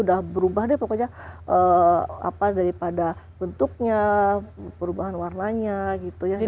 udah berubah deh pokoknya apa daripada bentuknya perubahan warnanya gitu ya